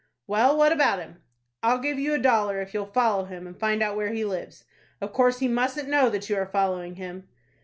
"Well, what about him?" "I'll give you a dollar if you'll follow him, and find out where he lives. Of course he mustn't know that you are following him."